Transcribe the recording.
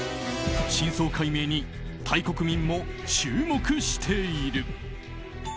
真相解明にタイ国民も注目している。